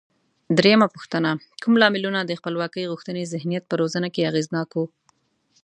درېمه پوښتنه: کوم لاملونه د خپلواکۍ غوښتنې ذهنیت په روزنه کې اغېزناک و؟